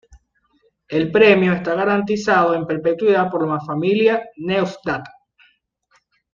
El premio está garantizado en perpetuidad por la familia Neustadt.